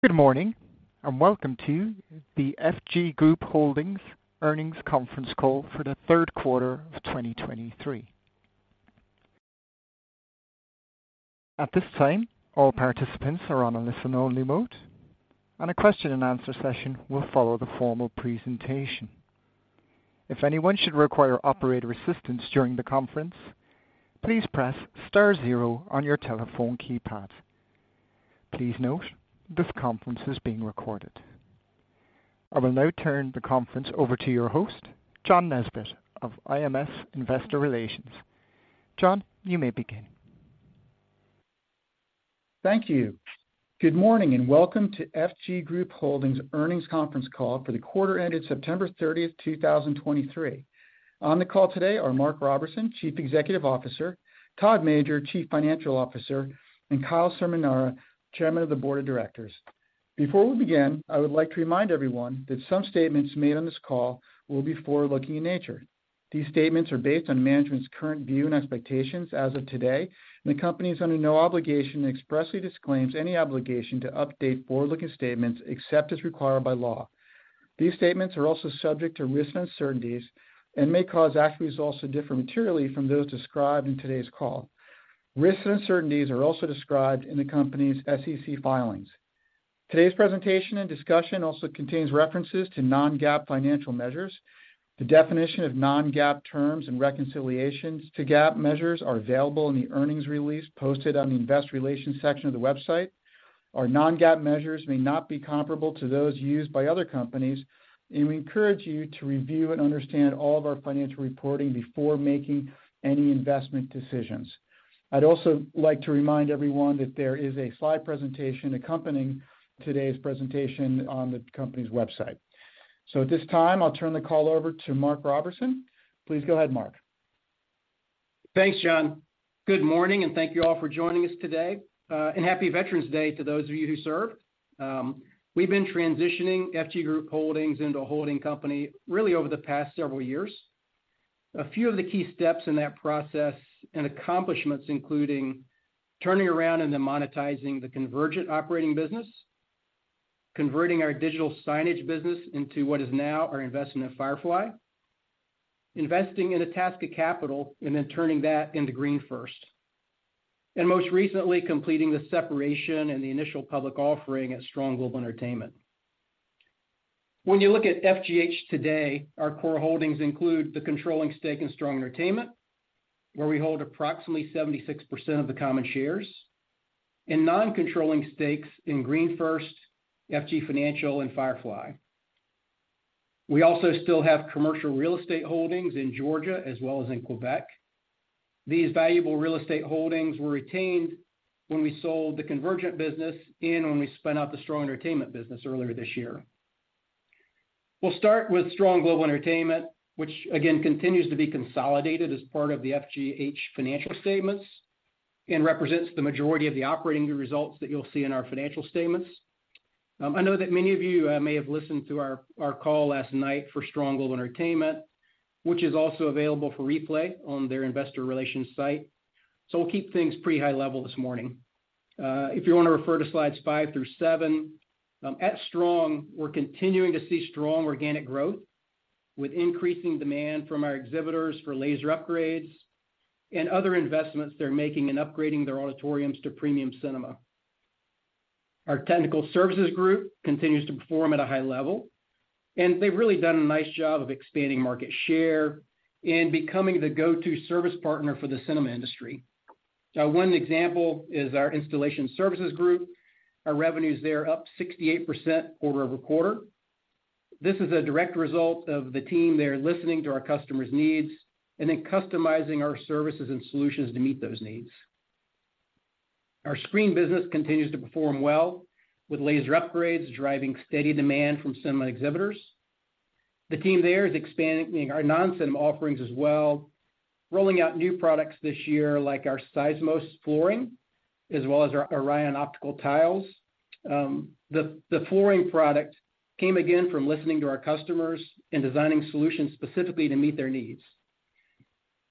Good morning, and welcome to the FG Group Holdings Earnings Conference Call for the Q3 of 2023. At this time, all participants are on a listen-only mode, and a question-and-answer session will follow the formal presentation. If anyone should require operator assistance during the conference, please press star zero on your telephone keypad. Please note, this conference is being recorded. I will now turn the conference over to your host, John Nesbett of IMS Investor Relations. John, you may begin. Thank you. Good morning, and welcome to FG Group Holdings Earnings Conference Call for the quarter ended September 30, 2023. On the call today are Mark Roberson, Chief Executive Officer, Todd Major, Chief Financial Officer, and Kyle Cerminara, Chairman of the Board of Directors. Before we begin, I would like to remind everyone that some statements made on this call will be forward-looking in nature. These statements are based on management's current view and expectations as of today, and the company is under no obligation and expressly disclaims any obligation to update forward-looking statements, except as required by law. These statements are also subject to risks and uncertainties and may cause actual results to differ materially from those described in today's call. Risks and uncertainties are also described in the company's SEC filings. Today's presentation and discussion also contains references to non-GAAP financial measures. The definition of non-GAAP terms and reconciliations to GAAP measures are available in the earnings release posted on the investor relations section of the website. Our non-GAAP measures may not be comparable to those used by other companies, and we encourage you to review and understand all of our financial reporting before making any investment decisions. I'd also like to remind everyone that there is a slide presentation accompanying today's presentation on the company's website. At this time, I'll turn the call over to Mark Roberson. Please go ahead, Mark. Thanks, John. Good morning, and thank you all for joining us today. Happy Veterans Day to those of you who served. We've been transitioning FG Group Holdings into a holding company really over the past several years. A few of the key steps in that process and accomplishments, including turning around and then monetizing the Convergent operating business, converting our digital signage business into what is now our investment in Firefly, investing in Itasca Capital and then turning that into GreenFirst, and most recently, completing the separation and the initial public offering at Strong Global Entertainment. When you look at FGH today, our core holdings include the controlling stake in Strong Entertainment, where we hold approximately 76% of the common shares, and non-controlling stakes in GreenFirst, FG Financial and Firefly. We also still have commercial real estate holdings in Georgia as well as in Quebec. These valuable real estate holdings were retained when we sold the Convergent business and when we spun out the Strong Entertainment business earlier this year. We'll start with Strong Global Entertainment, which again, continues to be consolidated as part of the FGH financial statements and represents the majority of the operating results that you'll see in our financial statements. I know that many of you may have listened to our call last night for Strong Global Entertainment, which is also available for replay on their investor relations site. So we'll keep things pretty high level this morning. If you want to refer to slides 5 through 7, at Strong, we're continuing to see strong organic growth with increasing demand from our exhibitors for laser upgrades and other investments they're making in upgrading their auditoriums to premium cinema. Our technical services group continues to perform at a high level, and they've really done a nice job of expanding market share and becoming the go-to service partner for the cinema industry. Now, one example is our installation services group. Our revenues there are up 68% quarter-over-quarter. This is a direct result of the team there listening to our customers' needs and then customizing our services and solutions to meet those needs. Our screen business continues to perform well, with laser upgrades driving steady demand from cinema exhibitors. The team there is expanding our non-cinema offerings as well, rolling out new products this year, like our Seismos flooring, as well as our Orion Optical Tiles. The flooring product came again from listening to our customers and designing solutions specifically to meet their needs.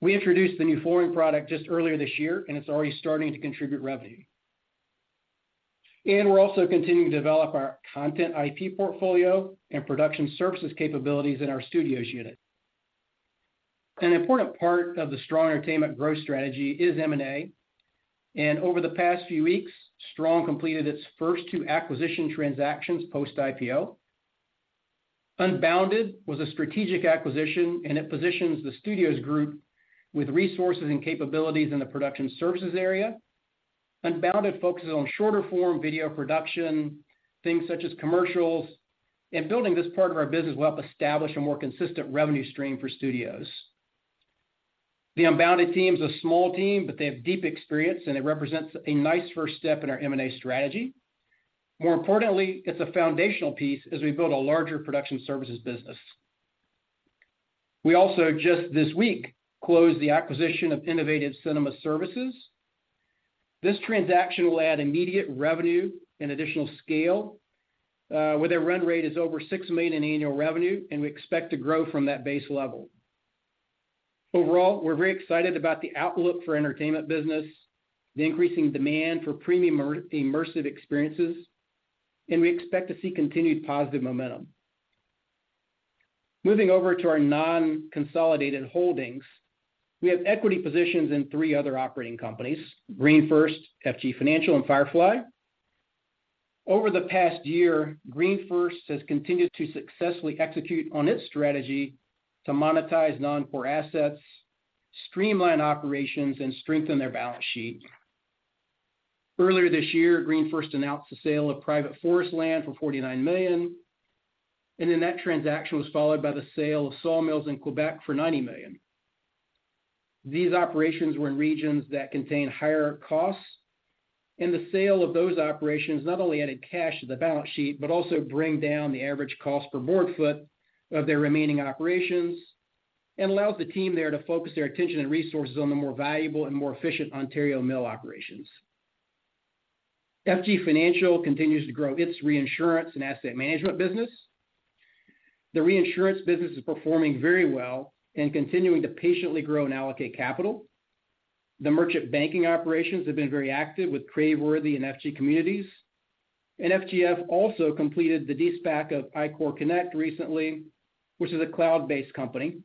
We introduced the new flooring product just earlier this year, and it's already starting to contribute revenue. We're also continuing to develop our content IP portfolio and production services capabilities in our studios unit. An important part of the Strong Entertainment growth strategy is M&A, and over the past few weeks, Strong completed its first two acquisition transactions post-IPO. Unbounded was a strategic acquisition, and it positions the studios group with resources and capabilities in the production services area. Unbounded focuses on shorter-form video production, things such as commercials, and building this part of our business will help establish a more consistent revenue stream for studios. The Unbounded team is a small team, but they have deep experience, and it represents a nice first step in our M&A strategy. More importantly, it's a foundational piece as we build a larger production services business. We also, just this week, closed the acquisition of Innovative Cinema Solutions. This transaction will add immediate revenue and additional scale, where their run rate is over $6 million in annual revenue, and we expect to grow from that base level. Overall, we're very excited about the outlook for entertainment business, the increasing demand for premium immersive experiences, and we expect to see continued positive momentum. Moving over to our non-consolidated holdings, we have equity positions in three other operating companies, GreenFirst, FG Financial, and Firefly. Over the past year, GreenFirst has continued to successfully execute on its strategy to monetize non-core assets, streamline operations, and strengthen their balance sheet. Earlier this year, GreenFirst announced the sale of private forest land for 49 million, and then that transaction was followed by the sale of sawmills in Quebec for 90 million. These operations were in regions that contain higher costs, and the sale of those operations not only added cash to the balance sheet, but also bring down the average cost per board foot of their remaining operations and allows the team there to focus their attention and resources on the more valuable and more efficient Ontario mill operations. FG Financial continues to grow its reinsurance and asset management business. The reinsurance business is performing very well and continuing to patiently grow and allocate capital. The merchant banking operations have been very active with Craveworthy and FG Communities. FGF also completed the de-SPAC of iCoreConnect recently, which is a cloud-based company.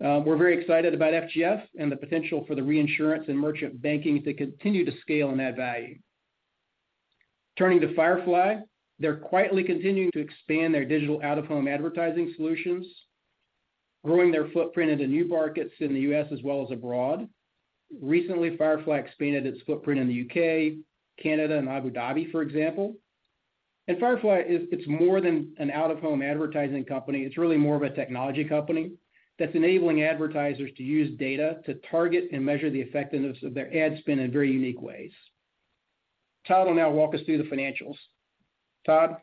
We're very excited about FGF and the potential for the reinsurance and merchant banking to continue to scale and add value. Turning to Firefly, they're quietly continuing to expand their digital out-of-home advertising solutions, growing their footprint into new markets in the U.S. as well as abroad. Recently, Firefly expanded its footprint in the U.K., Canada, and Abu Dhabi, for example. Firefly is. It's more than an out-of-home advertising company. It's really more of a technology company that's enabling advertisers to use data to target and measure the effectiveness of their ad spend in very unique ways. Todd will now walk us through the financials. Todd?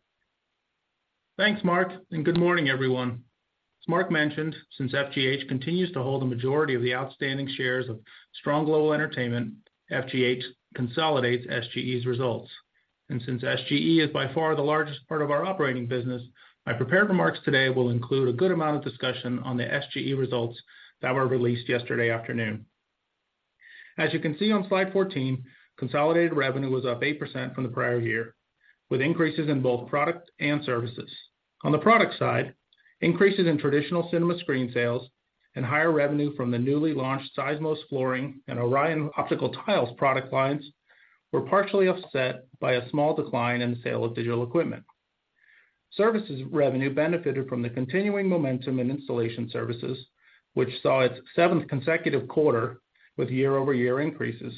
Thanks, Mark, and good morning, everyone. As Mark mentioned, since FGH continues to hold the majority of the outstanding shares of Strong Global Entertainment, FGH consolidates SGE's results. Since SGE is by far the largest part of our operating business, my prepared remarks today will include a good amount of discussion on the SGE results that were released yesterday afternoon. As you can see on slide 14, consolidated revenue was up 8% from the prior year, with increases in both product and services. On the product side, increases in traditional cinema screen sales and higher revenue from the newly launched Seismos flooring and Orion Optical Tiles product lines were partially offset by a small decline in the sale of digital equipment. Services revenue benefited from the continuing momentum in installation services, which saw its seventh consecutive quarter with year-over-year increases,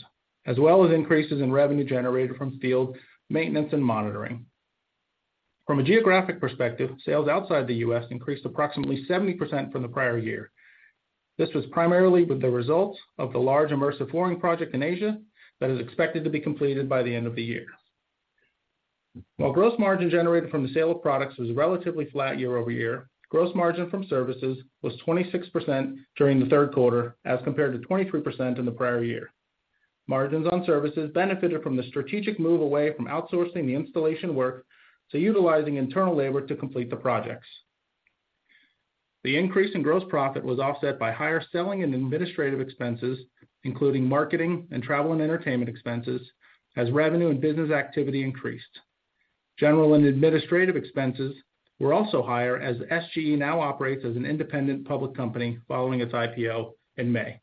as well as increases in revenue generated from field maintenance and monitoring. From a geographic perspective, sales outside the U.S. increased approximately 70% from the prior year. This was primarily with the results of the large immersive flooring project in Asia that is expected to be completed by the end of the year. While gross margin generated from the sale of products was relatively flat year-over-year, gross margin from services was 26% during the Q3, as compared to 23% in the prior year. Margins on services benefited from the strategic move away from outsourcing the installation work to utilizing internal labor to complete the projects. The increase in gross profit was offset by higher selling and administrative expenses, including marketing and travel and entertainment expenses, as revenue and business activity increased. General and administrative expenses were also higher, as SGE now operates as an independent public company following its IPO in May.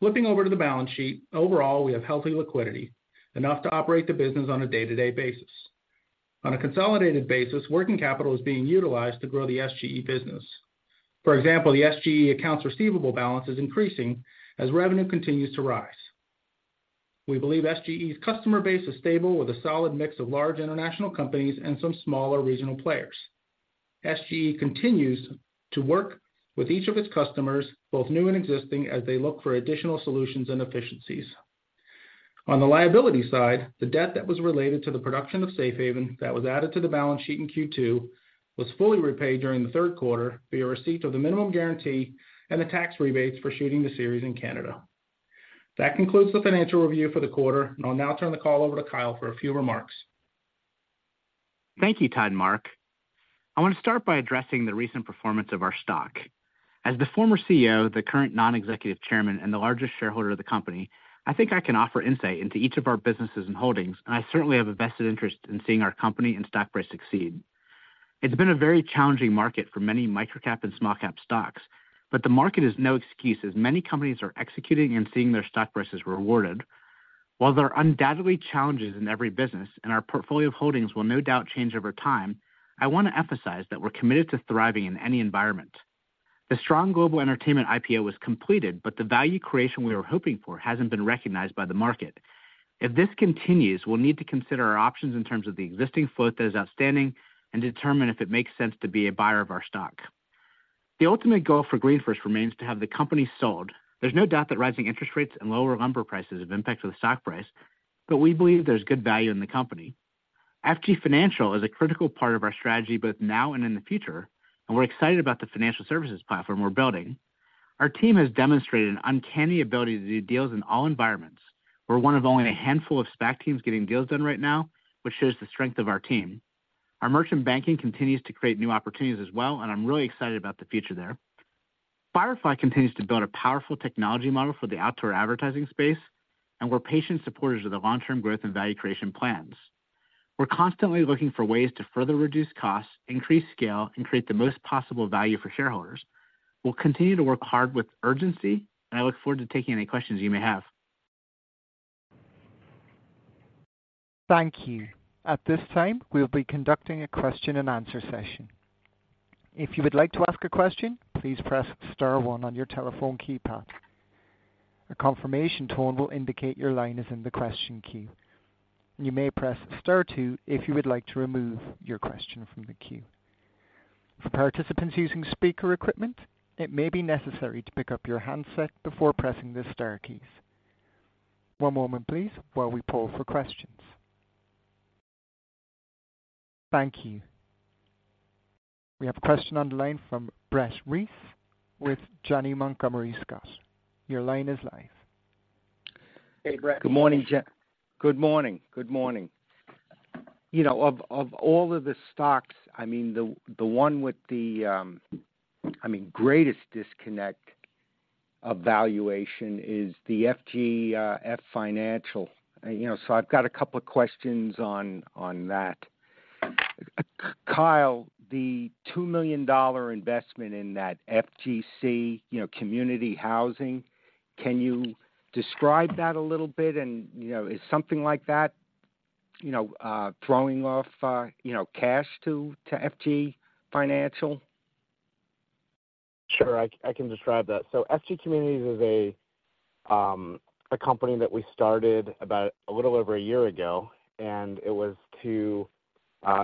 Flipping over to the balance sheet, overall, we have healthy liquidity, enough to operate the business on a day-to-day basis. On a consolidated basis, working capital is being utilized to grow the SGE business. For example, the SGE accounts receivable balance is increasing as revenue continues to rise. We believe SGE's customer base is stable, with a solid mix of large international companies and some smaller regional players. SGE continues to work with each of its customers, both new and existing, as they look for additional solutions and efficiencies. On the liability side, the debt that was related to the production of Safehaven that was added to the balance sheet in Q2 was fully repaid during the Q3 via receipt of the minimum guarantee and the tax rebates for shooting the series in Canada. That concludes the financial review for the quarter, and I'll now turn the call over to Kyle for a few remarks. Thank you, Todd and Mark. I want to start by addressing the recent performance of our stock. As the former CEO, the current non-executive Chairman, and the largest shareholder of the company, I think I can offer insight into each of our businesses and holdings, and I certainly have a vested interest in seeing our company and stock price succeed. It's been a very challenging market for many micro-cap and small-cap stocks, but the market is no excuse, as many companies are executing and seeing their stock prices rewarded. While there are undoubtedly challenges in every business, and our portfolio of holdings will no doubt change over time, I want to emphasize that we're committed to thriving in any environment. The Strong Global Entertainment IPO was completed, but the value creation we were hoping for hasn't been recognized by the market. If this continues, we'll need to consider our options in terms of the existing float that is outstanding and determine if it makes sense to be a buyer of our stock. The ultimate goal for GreenFirst remains to have the company sold. There's no doubt that rising interest rates and lower lumber prices have impacted the stock price, but we believe there's good value in the company. FG Financial is a critical part of our strategy, both now and in the future, and we're excited about the financial services platform we're building. Our team has demonstrated an uncanny ability to do deals in all environments. We're one of only a handful of SPAC teams getting deals done right now, which shows the strength of our team.... Our merchant banking continues to create new opportunities as well, and I'm really excited about the future there. Firefly continues to build a powerful technology model for the outdoor advertising space, and we're patient supporters of the long-term growth and value creation plans. We're constantly looking for ways to further reduce costs, increase scale, and create the most possible value for shareholders. We'll continue to work hard with urgency, and I look forward to taking any questions you may have. Thank you. At this time, we'll be conducting a question-and-answer session. If you would like to ask a question, please press star one on your telephone keypad. A confirmation tone will indicate your line is in the question queue. You may press star two if you would like to remove your question from the queue. For participants using speaker equipment, it may be necessary to pick up your handset before pressing the star keys. One moment please, while we pull for questions. Thank you. We have a question on the line from Brett Reiss with Janney Montgomery Scott. Your line is live. Hey, Brett. Good morning. Good morning. Good morning. You know, of all of the stocks, I mean, the one with the, I mean, greatest disconnect of valuation is the FG Financial. You know, so I've got a couple of questions on that. Kyle, the $2 million investment in that FGC community housing, can you describe that a little bit? And, you know, is something like that, you know, throwing off, you know, cash to FG Financial? Sure, I can describe that. So FG Communities is a company that we started about a little over a year ago, and it was to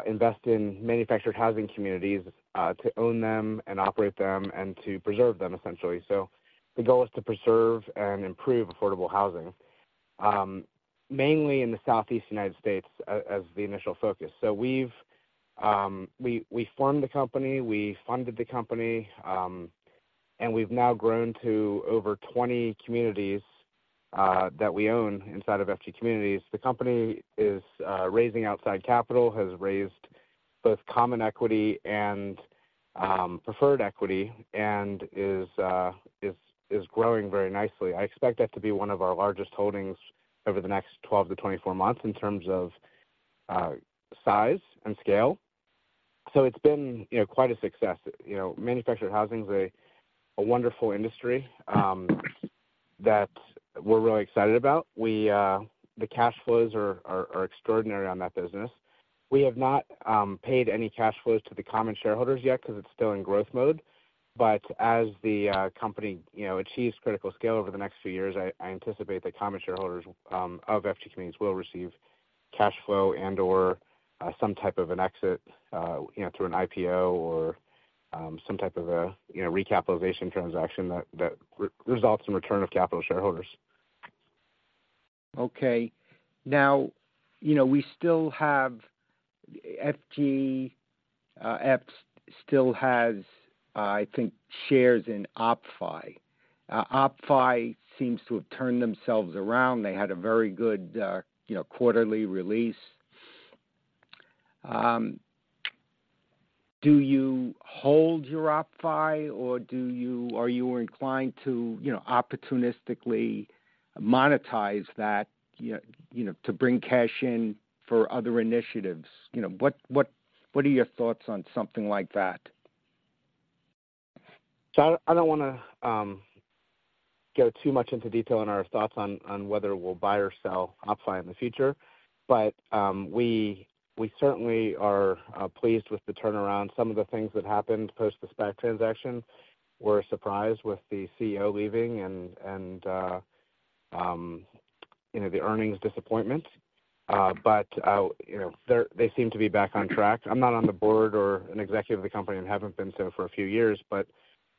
invest in manufactured housing communities to own them and operate them and to preserve them essentially. So the goal is to preserve and improve affordable housing mainly in the Southeast United States as the initial focus. So we formed the company, we funded the company, and we've now grown to over 20 communities that we own inside of FG Communities. The company is raising outside capital, has raised both common equity and preferred equity, and is growing very nicely. I expect that to be one of our largest holdings over the next 12-24 months in terms of size and scale. So it's been, you know, quite a success. You know, manufactured housing is a wonderful industry that we're really excited about. We the cash flows are extraordinary on that business. We have not paid any cash flows to the common shareholders yet because it's still in growth mode. But as the company, you know, achieves critical scale over the next few years, I anticipate the common shareholders of FG Communities will receive cash flow and/or some type of an exit, you know, through an IPO or some type of a recapitalization transaction that results in return of capital shareholders. Okay. Now, you know, we still have FG Financial still has, I think, shares in OppFi. OppFi seems to have turned themselves around. They had a very good, you know, quarterly release. Do you hold your OppFi, or do you, are you inclined to, you know, opportunistically monetize that, you know, to bring cash in for other initiatives? You know, what, what, what are your thoughts on something like that? So I don't wanna go too much into detail on our thoughts on whether we'll buy or sell OppFi in the future, but we certainly are pleased with the turnaround. Some of the things that happened post the SPAC transaction were surprised with the CEO leaving and you know the earnings disappointment. But you know they're they seem to be back on track. I'm not on the board or an executive of the company and haven't been so for a few years, but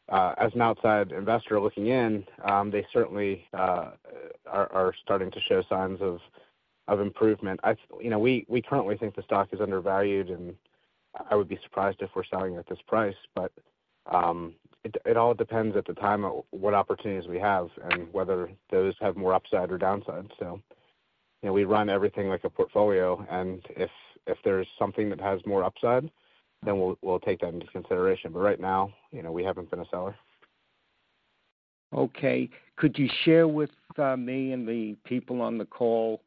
as an outside investor looking in they certainly are starting to show signs of improvement. You know, we currently think the stock is undervalued, and I would be surprised if we're selling at this price, but it all depends at the time on what opportunities we have and whether those have more upside or downside. So, you know, we run everything like a portfolio, and if there's something that has more upside, then we'll take that into consideration. But right now, you know, we haven't been a seller. Okay. Could you share with me and the people on the call,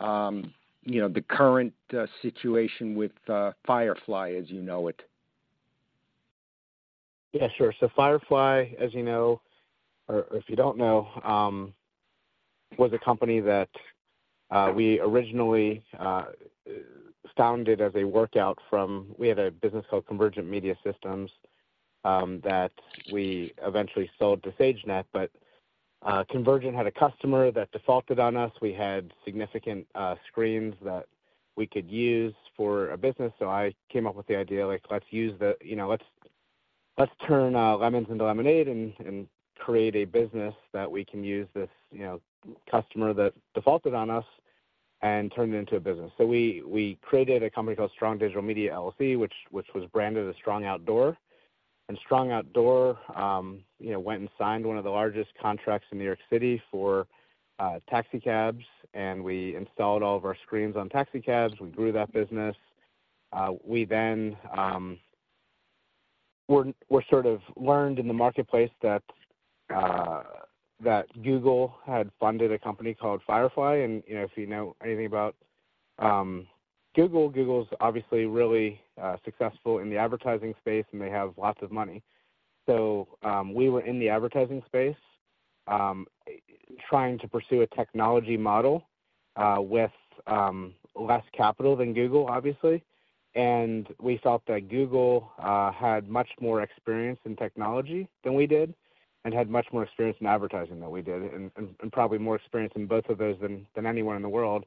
you know, the current situation with Firefly as you know it? Yeah, sure. So Firefly, as you know, or if you don't know, was a company that we originally founded as a workout from— We had a business called Convergent Media Systems that we eventually sold to SageNet. But Convergent had a customer that defaulted on us. We had significant screens that we could use for a business. So I came up with the idea, like, let's use the, you know, let's turn lemons into lemonade and create a business that we can use this, you know, customer that defaulted on us and turn it into a business. So we created a company called Strong Digital Media, LLC, which was branded as Strong Outdoor.... Strong Outdoor, you know, went and signed one of the largest contracts in New York City for taxi cabs, and we installed all of our screens on taxi cabs. We grew that business. We then sort of learned in the marketplace that Google had funded a company called Firefly. And, you know, if you know anything about Google, Google is obviously really successful in the advertising space, and they have lots of money. So, we were in the advertising space, trying to pursue a technology model with less capital than Google, obviously. And we felt that Google had much more experience in technology than we did and had much more experience in advertising than we did, and probably more experience in both of those than anyone in the world.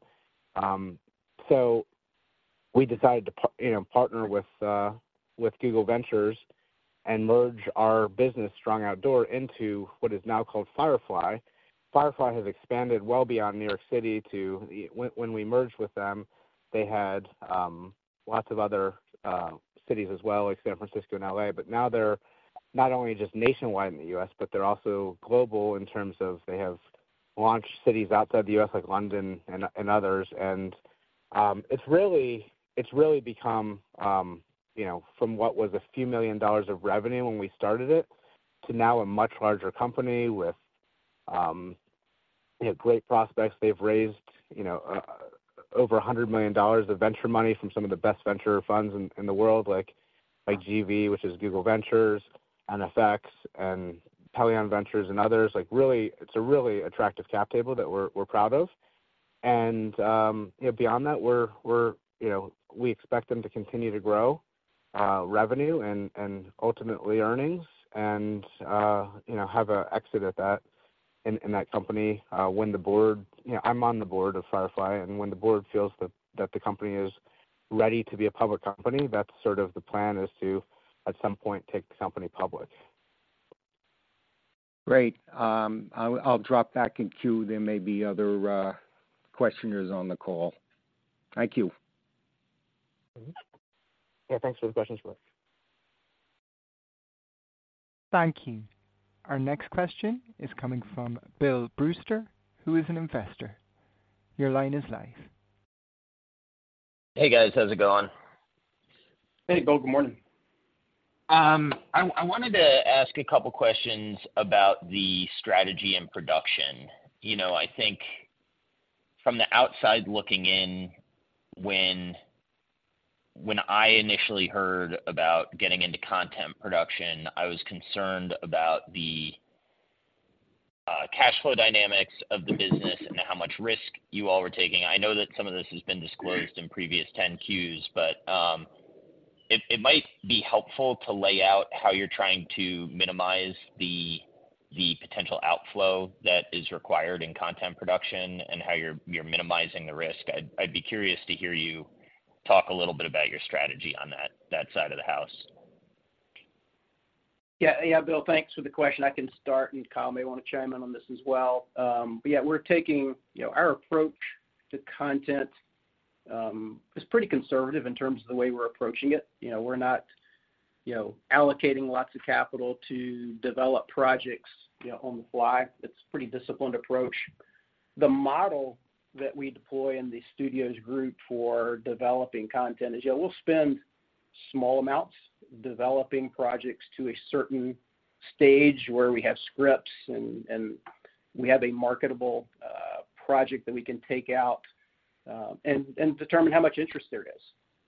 So we decided to partner with, you know, with Google Ventures and merge our business, Strong Outdoor, into what is now called Firefly. Firefly has expanded well beyond New York City to. When we merged with them, they had lots of other cities as well, like San Francisco and L.A. But now they're not only just nationwide in the U.S., but they're also global in terms of they have launched cities outside the U.S., like London and others. And it's really, it's really become, you know, from what was a few million dollars of revenue when we started it, to now a much larger company with, they have great prospects. They've raised, you know, over $100 million of venture money from some of the best venture funds in the world, like GV, which is Google Ventures, NFX and Pelion Ventures, and others. Like, really, it's a really attractive cap table that we're proud of. You know, beyond that, we're you know, we expect them to continue to grow revenue and ultimately earnings and, you know, have a exit at that in that company, when the board. You know, I'm on the board of Firefly, and when the board feels that the company is ready to be a public company, that's sort of the plan, is to, at some point, take the company public. Great. I'll drop back in queue. There may be other questioners on the call. Thank you. Mm-hmm. Yeah, thanks for the questions, Mark. Thank you. Our next question is coming from Bill Brewster, who is an investor. Your line is live. Hey, guys. How's it going? Hey, Bill. Good morning. I wanted to ask a couple questions about the strategy and production. You know, I think from the outside looking in, when I initially heard about getting into content production, I was concerned about the cash flow dynamics of the business and how much risk you all were taking. I know that some of this has been disclosed- in previous ten Qs, but it might be helpful to lay out how you're trying to minimize the potential outflow that is required in content production and how you're minimizing the risk. I'd be curious to hear you talk a little bit about your strategy on that side of the house. Yeah. Yeah, Bill, thanks for the question. I can start, and Kyle may want to chime in on this as well. But yeah, we're taking. You know, our approach to content is pretty conservative in terms of the way we're approaching it. You know, we're not, you know, allocating lots of capital to develop projects, you know, on the fly. It's pretty disciplined approach. The model that we deploy in the studios group for developing content is, yeah, we'll spend small amounts developing projects to a certain stage where we have scripts and we have a marketable project that we can take out and determine how much interest there is.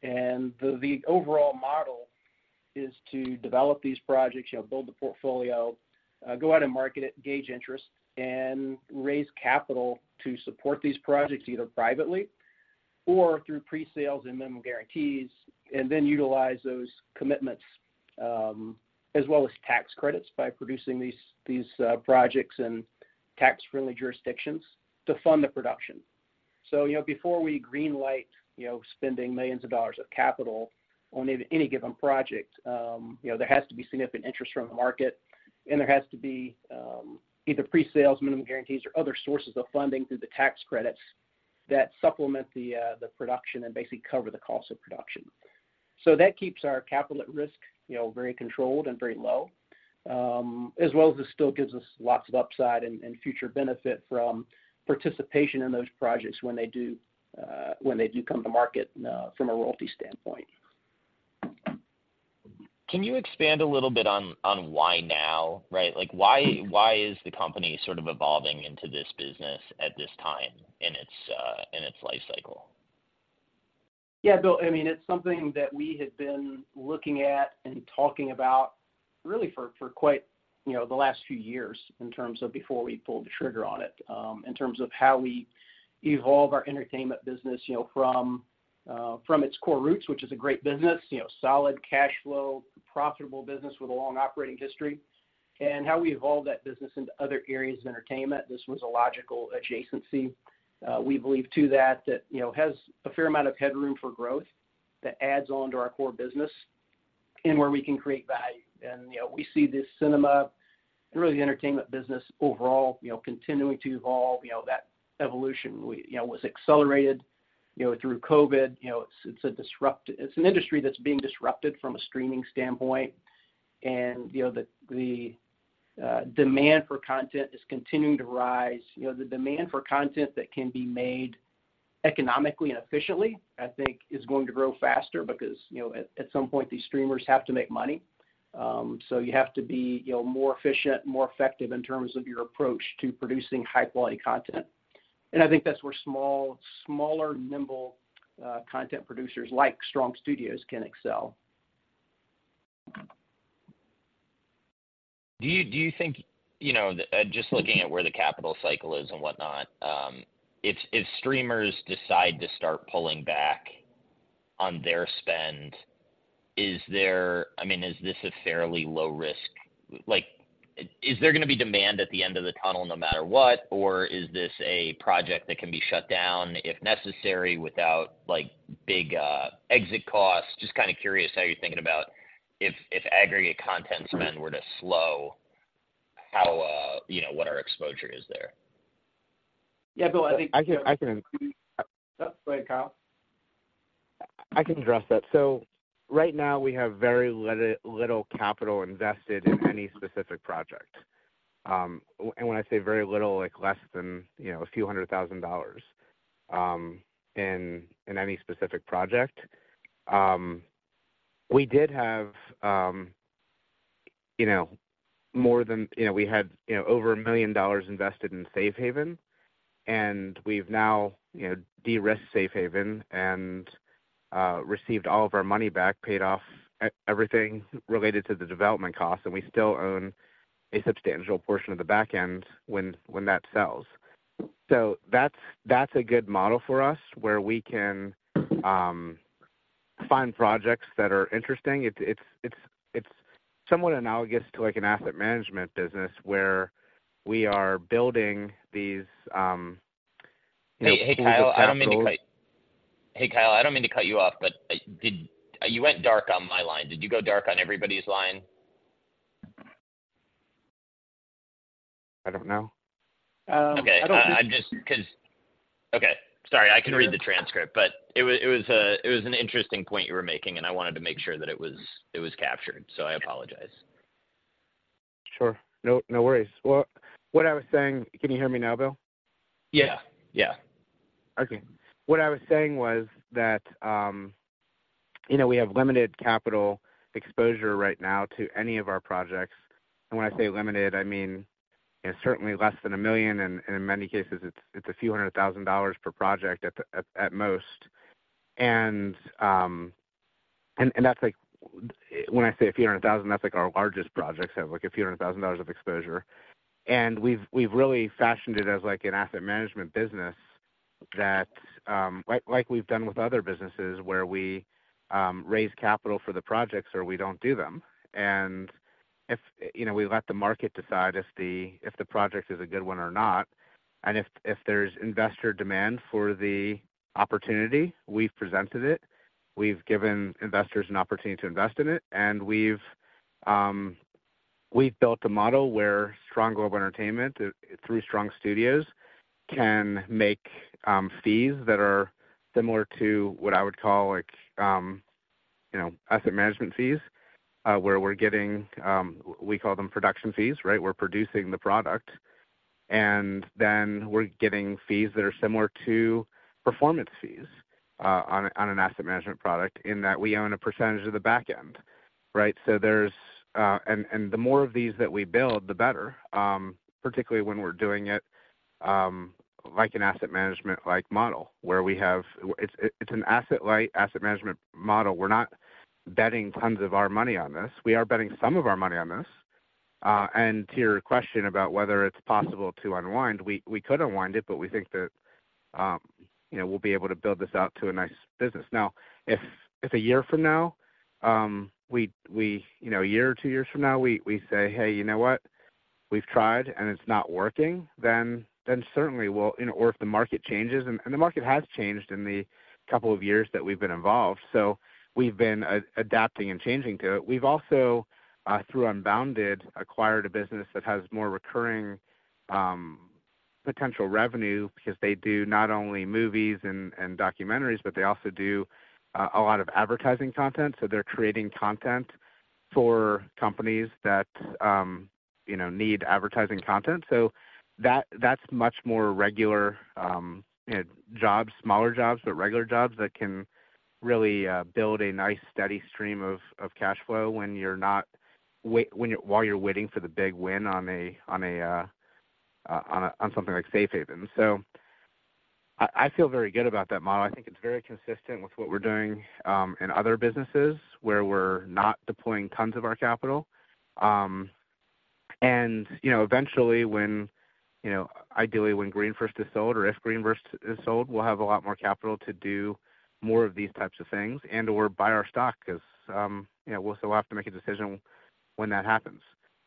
And the overall model is to develop these projects, you know, build the portfolio, go out and market it, gauge interest, and raise capital to support these projects, either privately or through pre-sales and minimum guarantees, and then utilize those commitments, as well as tax credits by producing these projects in tax-friendly jurisdictions to fund the production. So, you know, before we greenlight, you know, spending millions of dollars of capital on any given project, you know, there has to be significant interest from the market, and there has to be either pre-sales, minimum guarantees, or other sources of funding through the tax credits that supplement the production and basically cover the cost of production. So that keeps our capital at risk, you know, very controlled and very low, as well as it still gives us lots of upside and future benefit from participation in those projects when they do come to market, from a royalty standpoint. Can you expand a little bit on why now, right? Like, why is the company sort of evolving into this business at this time in its life cycle? Yeah, Bill, I mean, it's something that we have been looking at and talking about really for quite, you know, the last few years in terms of before we pulled the trigger on it. In terms of how we evolve our entertainment business, you know, from its core roots, which is a great business, you know, solid cash flow, profitable business with a long operating history, and how we evolve that business into other areas of entertainment. This was a logical adjacency, we believe to that, that, you know, has a fair amount of headroom for growth that adds on to our core business and where we can create value. And, you know, we see this cinema and really, the entertainment business overall, you know, continuing to evolve. You know, that evolution we, you know, was accelerated, you know, through COVID. You know, it's an industry that's being disrupted from a streaming standpoint. And, you know, the demand for content is continuing to rise. You know, the demand for content that can be made economically and efficiently, I think, is going to grow faster because, you know, at some point, these streamers have to make money. So you have to be, you know, more efficient, more effective in terms of your approach to producing high-quality content. And I think that's where smaller, nimble content producers, like Strong Studios, can excel. Do you think, you know, just looking at where the capital cycle is and whatnot, if streamers decide to start pulling back on their spend, is there... I mean, is this a fairly low risk? Like, is there gonna be demand at the end of the tunnel, no matter what, or is this a project that can be shut down, if necessary, without, like, big exit costs? Just kind of curious how you're thinking about if aggregate content spend were to slow, how, you know, what our exposure is there. Yeah, Bill, I think- I can. Go ahead, Kyle. I can address that. So right now, we have very little capital invested in any specific project. And when I say very little, like, less than, you know, $a few hundred thousand, in any specific project. We did have, you know, more than, you know, we had, you know, over $1 million invested in Safehaven, and we've now, you know, de-risked Safehaven and received all of our money back, paid off everything related to the development costs, and we still own a substantial portion of the back end when that sells. So that's a good model for us, where we can find projects that are interesting. It's somewhat analogous to, like, an asset management business, where we are building these, you know- Hey, hey, Kyle, I don't mean to cut you off, but you went dark on my line. Did you go dark on everybody's line? I don't know. I don't think- Okay. Sorry, I can read the transcript, but it was an interesting point you were making, and I wanted to make sure that it was captured, so I apologize. Sure. No, no worries. Well, what I was saying... Can you hear me now, Bill? Yeah. Yeah. Okay. What I was saying was that, you know, we have limited capital exposure right now to any of our projects. And when I say limited, I mean, you know, certainly less than $1 million, and in many cases, it's a few hundred thousand dollars per project at most. And that's like... When I say a few hundred thousand, that's like our largest projects have, like, a few hundred thousand dollars of exposure. And we've really fashioned it as like an asset management business that, like we've done with other businesses, where we raise capital for the projects, or we don't do them. And if, you know, we let the market decide if the project is a good one or not, and if there's investor demand for the opportunity, we've presented it. We've given investors an opportunity to invest in it, and we've built a model where Strong Global Entertainment, through Strong Studios, can make fees that are similar to what I would call, like, you know, asset management fees. Where we're getting, we call them production fees, right? We're producing the product, and then we're getting fees that are similar to performance fees, on an asset management product, in that we own a percentage of the back end, right? So there's... And the more of these that we build, the better, particularly when we're doing it, like an asset management-like model, where we have... It's an asset-light, asset management model. We're not betting tons of our money on this. We are betting some of our money on this. And to your question about whether it's possible to unwind, we could unwind it, but we think that, you know, we'll be able to build this out to a nice business. Now, if a year from now, we you know, a year or two years from now, we say, "Hey, you know what? We've tried, and it's not working," then certainly we'll you know, or if the market changes, and the market has changed in the couple of years that we've been involved. So we've been adapting and changing to it. We've also through Unbounded acquired a business that has more recurring potential revenue, because they do not only movies and documentaries, but they also do a lot of advertising content. So they're creating content for companies that, you know, need advertising content. So that, that's much more regular, you know, jobs, smaller jobs, but regular jobs that can really build a nice, steady stream of cash flow while you're waiting for the big win on something like Safehaven. So I feel very good about that model. I think it's very consistent with what we're doing in other businesses, where we're not deploying tons of our capital. And, you know, eventually, when, you know, ideally when GreenFirst is sold or if GreenFirst is sold, we'll have a lot more capital to do more of these types of things and/or buy our stock, 'cause, you know, we'll still have to make a decision when that happens.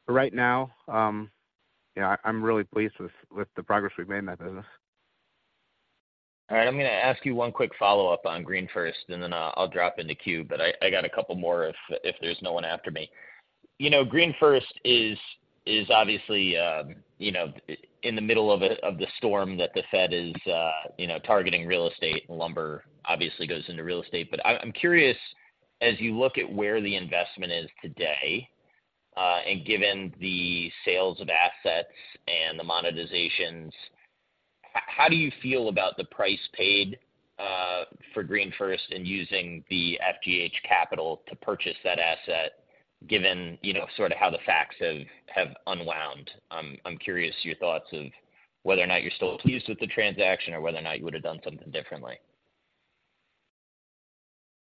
But right now, you know, I'm really pleased with the progress we've made in that business.... All right, I'm gonna ask you one quick follow-up on GreenFirst, and then I'll drop in the queue. But I got a couple more if there's no one after me. You know, GreenFirst is obviously in the middle of the storm that the Fed is targeting real estate, and lumber obviously goes into real estate. But I'm curious, as you look at where the investment is today, and given the sales of assets and the monetizations, how do you feel about the price paid for GreenFirst and using the FGH capital to purchase that asset, given you know sort of how the facts have unwound? I'm curious your thoughts of whether or not you're still pleased with the transaction or whether or not you would have done something differently.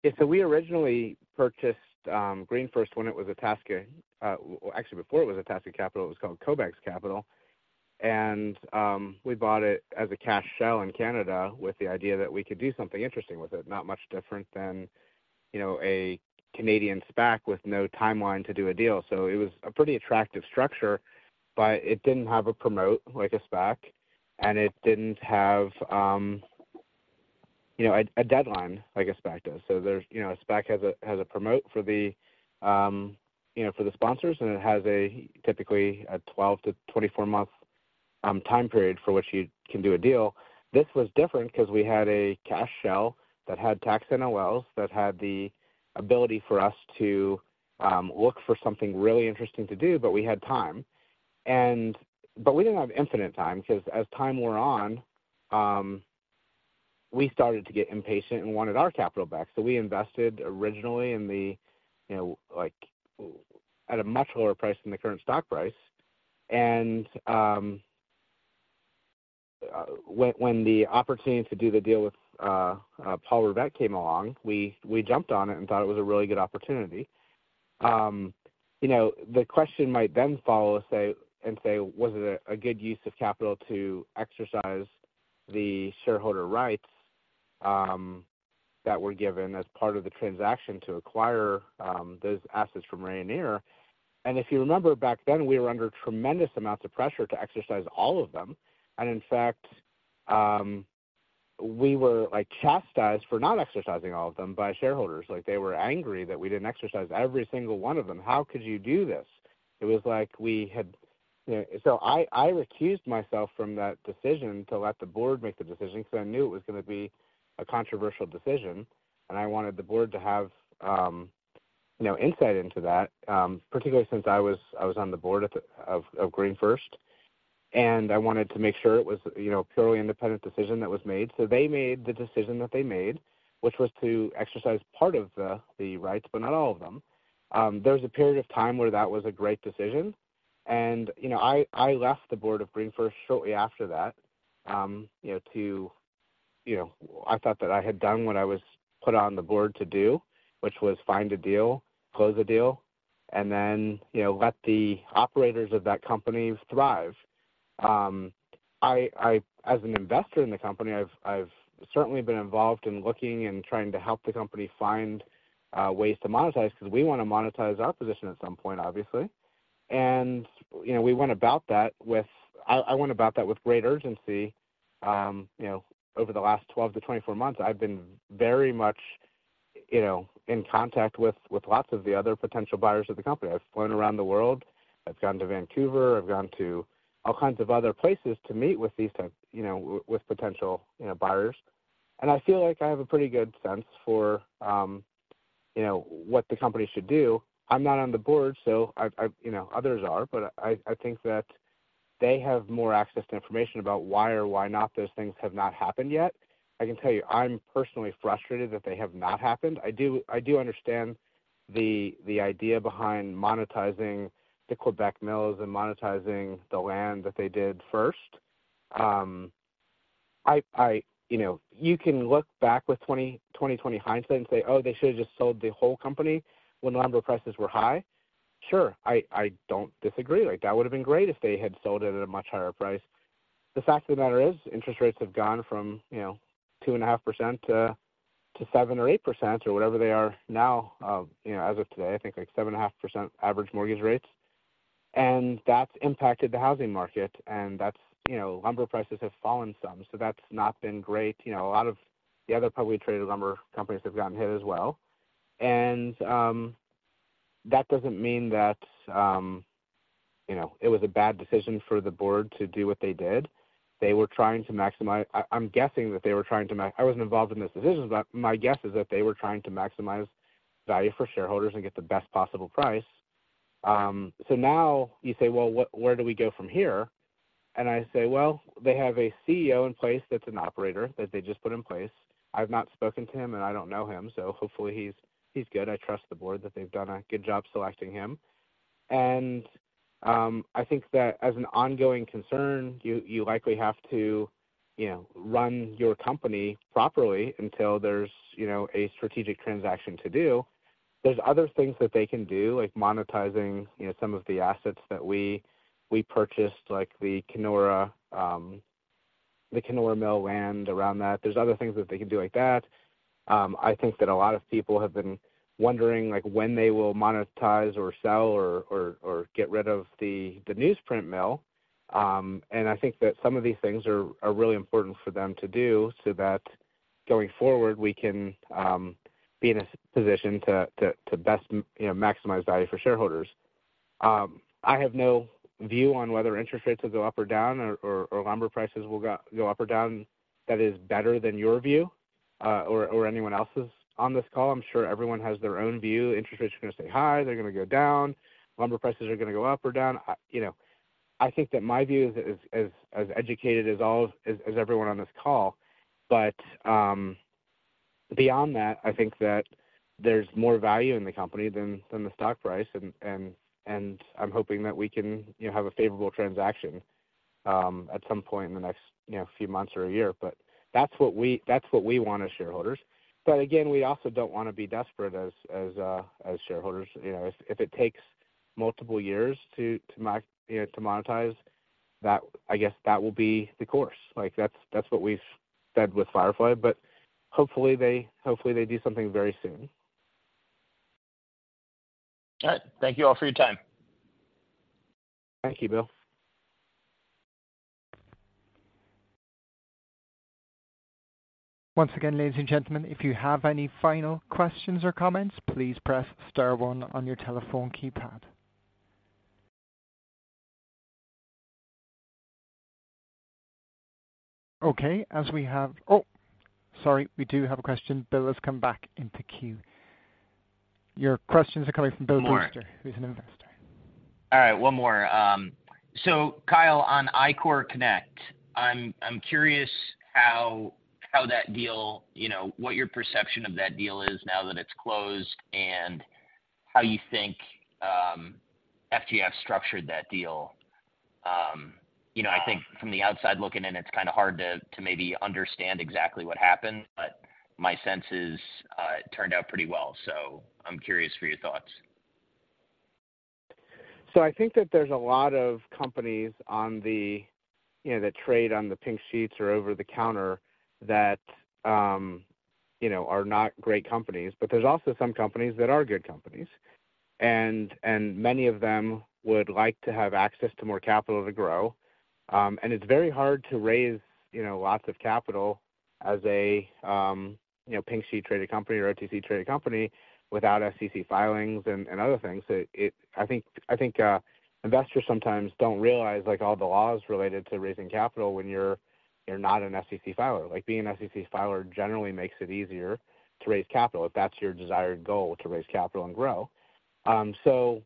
Yeah, so we originally purchased GreenFirst when it was Itasca—well, actually, before it was Itasca Capital, it was called Kobex Capital. And we bought it as a cash shell in Canada with the idea that we could do something interesting with it, not much different than, you know, a Canadian SPAC with no timeline to do a deal. So it was a pretty attractive structure, but it didn't have a promote, like a SPAC, and it didn't have, you know, a deadline, like a SPAC does. So, you know, a SPAC has a promote for the, you know, for the sponsors, and it has typically a 12-24-month time period for which you can do a deal. This was different because we had a cash shell that had tax NOLs, that had the ability for us to look for something really interesting to do, but we had time. But we didn't have infinite time, because as time wore on, we started to get impatient and wanted our capital back. So we invested originally in the, you know, like, at a much lower price than the current stock price. And when the opportunity to do the deal with Paul Rivett came along, we jumped on it and thought it was a really good opportunity. You know, the question might then follow, was it a good use of capital to exercise the shareholder rights that were given as part of the transaction to acquire those assets from Rayonier? And if you remember, back then, we were under tremendous amounts of pressure to exercise all of them. And in fact, we were, like, chastised for not exercising all of them by shareholders. Like, they were angry that we didn't exercise every single one of them. "How could you do this?" It was like we had... So I recused myself from that decision to let the board make the decision, because I knew it was gonna be a controversial decision, and I wanted the board to have, you know, insight into that, particularly since I was on the board of GreenFirst, and I wanted to make sure it was, you know, a purely independent decision that was made. So they made the decision that they made, which was to exercise part of the rights, but not all of them. There was a period of time where that was a great decision. You know, I left the board of GreenFirst shortly after that, you know, to, you know... I thought that I had done what I was put on the board to do, which was find a deal, close the deal, and then, you know, let the operators of that company thrive. I, as an investor in the company, I've certainly been involved in looking and trying to help the company find ways to monetize, because we want to monetize our position at some point, obviously. You know, we went about that with... I went about that with great urgency. You know, over the last 12-24 months, I've been very much, you know, in contact with lots of the other potential buyers of the company. I've flown around the world. I've gone to Vancouver. I've gone to all kinds of other places to meet with these types, you know, with potential, you know, buyers. I feel like I have a pretty good sense for, you know, what the company should do. I'm not on the board, so you know, others are, but I think that they have more access to information about why or why not those things have not happened yet. I can tell you, I'm personally frustrated that they have not happened. I do understand the idea behind monetizing the Quebec mills and monetizing the land that they did first. You know, you can look back with 20/20 hindsight and say: Oh, they should have just sold the whole company when lumber prices were high. Sure, I don't disagree. Like, that would have been great if they had sold it at a much higher price. The fact of the matter is, interest rates have gone from, you know, 2.5% to seven or eight percent, or whatever they are now, you know, as of today, I think, like, 7.5% average mortgage rates. And that's impacted the housing market, and that's, you know, lumber prices have fallen some, so that's not been great. You know, a lot of the other publicly traded lumber companies have gotten hit as well. And that doesn't mean that, you know, it was a bad decision for the board to do what they did. They were trying to maximize value for shareholders and get the best possible price. I wasn't involved in this decision, but my guess is that they were trying to maximize value for shareholders and get the best possible price. So now you say, "Well, what, where do we go from here?" And I say: Well, they have a CEO in place that's an operator, that they just put in place. I've not spoken to him, and I don't know him, so hopefully he's good. I trust the board, that they've done a good job selecting him. And I think that as an ongoing concern, you likely have to, you know, run your company properly until there's, you know, a strategic transaction to do. There's other things that they can do, like monetizing, you know, some of the assets that we purchased, like the Kenora, the Kenora mill land around that. There's other things that they can do like that. I think that a lot of people have been wondering, like, when they will monetize or sell or get rid of the newsprint mill. And I think that some of these things are really important for them to do, so that going forward, we can be in a position to best, you know, maximize value for shareholders. I have no view on whether interest rates will go up or down, or lumber prices will go up or down, that is better than your view, or anyone else's on this call. I'm sure everyone has their own view. Interest rates are gonna stay high, they're gonna go down. Lumber prices are gonna go up or down. I, you know, I think that my view is as educated as all as everyone on this call. But beyond that, I think that there's more value in the company than the stock price, and I'm hoping that we can, you know, have a favorable transaction at some point in the next, you know, few months or a year. But that's what we want as shareholders. But again, we also don't wanna be desperate as shareholders. You know, if it takes multiple years to monetize, that will be the course. Like, that's what we've said with Firefly, but hopefully they do something very soon. All right. Thank you all for your time. Thank you, Bill. Once again, ladies and gentlemen, if you have any final questions or comments, please press star one on your telephone keypad. Okay, Oh, sorry, we do have a question. Bill has come back into queue. Your questions are coming from Bill Brewster, who's an investor. All right, one more. So Kyle, on iCoreConnect, I'm curious how that deal, you know, what your perception of that deal is now that it's closed, and how you think FGF structured that deal. You know, I think from the outside looking in, it's kinda hard to maybe understand exactly what happened, but my sense is it turned out pretty well. So I'm curious for your thoughts. So I think that there's a lot of companies on the, you know, that trade on the Pink Sheets or over the counter that, you know, are not great companies, but there's also some companies that are good companies. And many of them would like to have access to more capital to grow. And it's very hard to raise, you know, lots of capital as a, you know, Pink Sheet-traded company or OTC-traded company without SEC filings and other things. I think investors sometimes don't realize, like, all the laws related to raising capital when you're not an SEC filer. Like, being an SEC filer generally makes it easier to raise capital, if that's your desired goal, to raise capital and grow. So,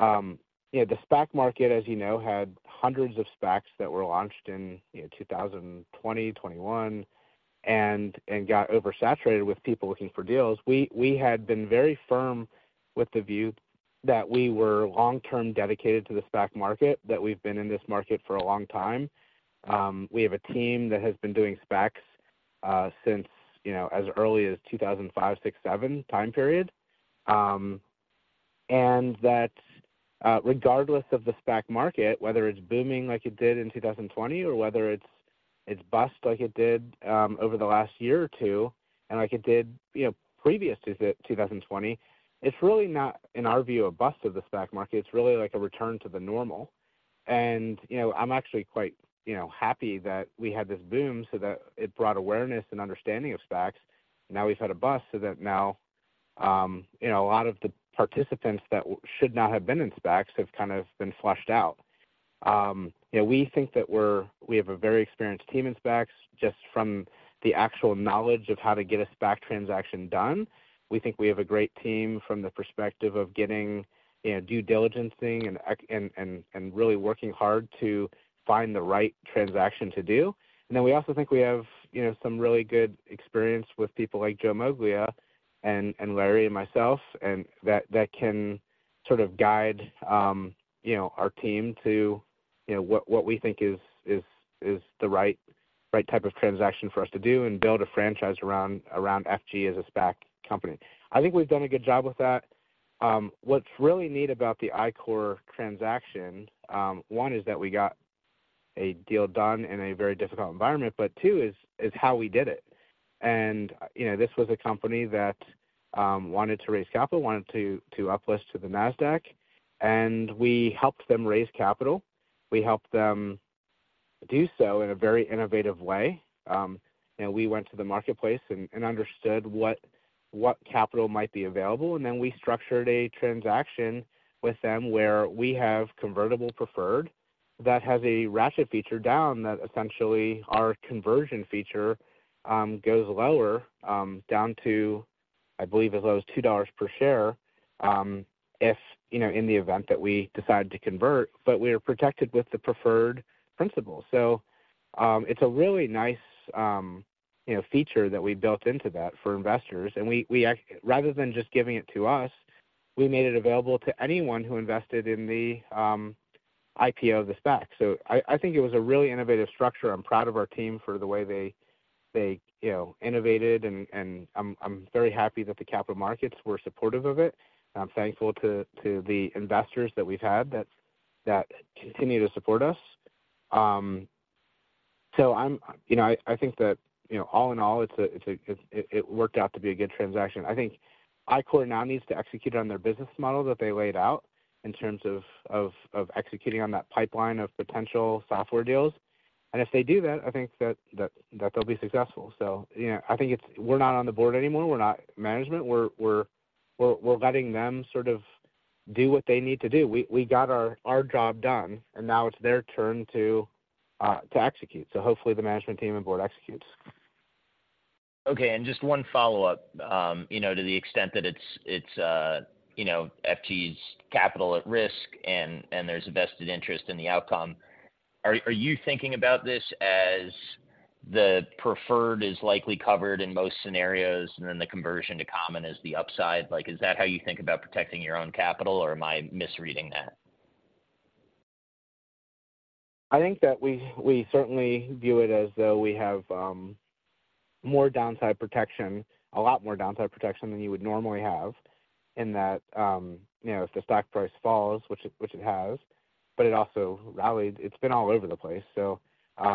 you know, the SPAC market, as you know, had hundreds of SPACs that were launched in, you know, 2020, 2021, and got oversaturated with people looking for deals. We had been very firm with the view that we were long-term dedicated to the SPAC market, that we've been in this market for a long time. We have a team that has been doing SPACs since, you know, as early as 2005, 2006, 2007 time period. And that, regardless of the SPAC market, whether it's booming like it did in 2020, or whether it's bust like it did over the last year or two, and like it did, you know, previous to 2020, it's really not, in our view, a bust of the SPAC market. It's really like a return to the normal. You know, I'm actually quite, you know, happy that we had this boom so that it brought awareness and understanding of SPACs. Now, we've had a bust so that now, you know, a lot of the participants that should not have been in SPACs have kind of been flushed out. You know, we think that we have a very experienced team in SPACs, just from the actual knowledge of how to get a SPAC transaction done. We think we have a great team from the perspective of getting, you know, due diligencing and really working hard to find the right transaction to do. Then we also think we have, you know, some really good experience with people like Joe Moglia and, and Larry, and myself, and that, that can sort of guide, you know, our team to, you know, what, what we think is, is, is the right, right type of transaction for us to do, and build a franchise around, around FG as a SPAC company. I think we've done a good job with that. What's really neat about the iCore transaction, one is that we got a deal done in a very difficult environment, but two, is, is how we did it. And, you know, this was a company that wanted to raise capital, wanted to, to uplist to the Nasdaq, and we helped them raise capital. We helped them do so in a very innovative way. You know, we went to the marketplace and understood what capital might be available, and then we structured a transaction with them, where we have convertible preferred that has a ratchet feature down, that essentially our conversion feature goes lower down to, I believe, as low as $2 per share, if, you know, in the event that we decide to convert, but we are protected with the preferred principal. So, it's a really nice, you know, feature that we built into that for investors. And we rather than just giving it to us, we made it available to anyone who invested in the IPO of the SPAC. So I think it was a really innovative structure. I'm proud of our team for the way they you know innovated, and I'm very happy that the capital markets were supportive of it. I'm thankful to the investors that we've had that continue to support us. So I'm you know I think that you know all in all it's a good transaction. I think iCore now needs to execute on their business model that they laid out in terms of executing on that pipeline of potential software deals. And if they do that, I think that they'll be successful. So you know I think it's we're not on the board anymore. We're not management. We're letting them sort of do what they need to do. We got our job done, and now it's their turn to execute. So hopefully, the management team and board executes. Okay. Just one follow-up. You know, to the extent that it's you know, FG's capital at risk and there's a vested interest in the outcome. Are you thinking about this as the preferred is likely covered in most scenarios, and then the conversion to common is the upside? Like, is that how you think about protecting your own capital, or am I misreading that? I think that we certainly view it as though we have more downside protection, a lot more downside protection than you would normally have in that, you know, if the stock price falls, which it has, but it also rallied. It's been all over the place. So,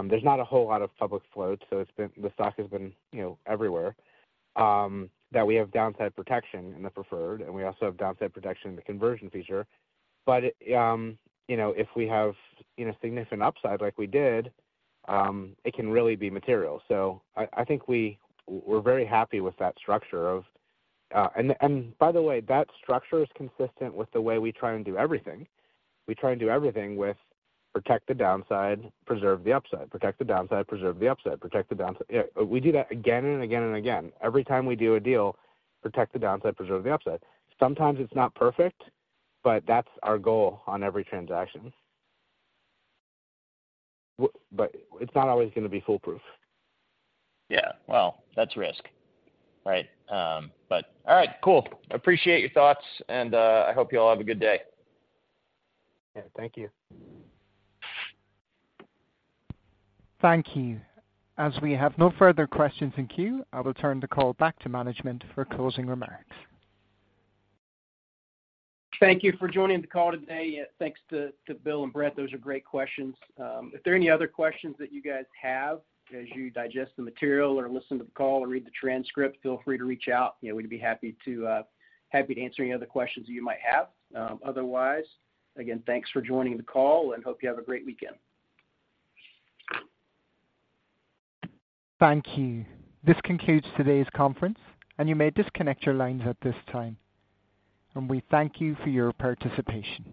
there's not a whole lot of public float, so it's been the stock has been, you know, everywhere. That we have downside protection in the preferred, and we also have downside protection in the conversion feature. But it, you know, if we have, you know, significant upside like we did, it can really be material. So I think we're very happy with that structure. And by the way, that structure is consistent with the way we try and do everything. We try and do everything with protect the downside, preserve the upside, protect the downside, preserve the upside, protect the downside. Yeah, we do that again and again and again. Every time we do a deal, protect the downside, preserve the upside. Sometimes it's not perfect, but that's our goal on every transaction. But it's not always gonna be foolproof. Yeah, well, that's risk, right? But all right, cool. I appreciate your thoughts, and I hope you all have a good day. Yeah. Thank you. Thank you. As we have no further questions in queue, I will turn the call back to management for closing remarks. Thank you for joining the call today, and thanks to, to Bill and Brett. Those are great questions. If there are any other questions that you guys have as you digest the material or listen to the call or read the transcript, feel free to reach out. You know, we'd be happy to, happy to answer any other questions you might have. Otherwise, again, thanks for joining the call, and hope you have a great weekend. Thank you. This concludes today's conference, and you may disconnect your lines at this time. We thank you for your participation.